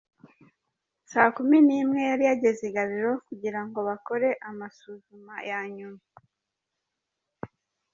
Saa Kumi n’imwe yari yageze i Gabiro kugira ngo bakore amasuzuma ya nyuma.